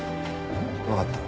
分かった。